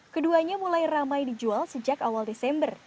keduanya mulai ramai dijual sejak awal desember